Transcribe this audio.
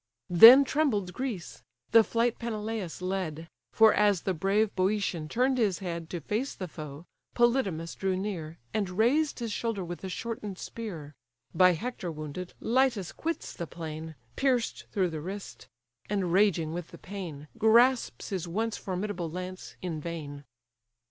Then trembled Greece: the flight Peneleus led; For as the brave Bœotian turn'd his head To face the foe, Polydamas drew near, And razed his shoulder with a shorten'd spear: By Hector wounded, Leitus quits the plain, Pierced through the wrist; and raging with the pain, Grasps his once formidable lance in vain.